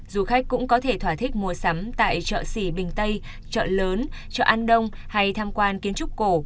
du khách cũng có thể thỏa thích mua sắm tại chợ xỉ bình tây chợ lớn chợ an đông hay tham quan kiến trúc cổ